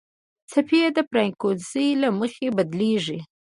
څپې د فریکونسۍ له مخې بدلېږي.